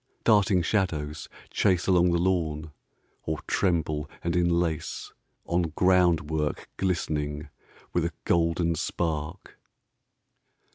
Darting shadows chaseAlong the lawn, or tremble and enlaceOn groundwork glistening with a golden spark.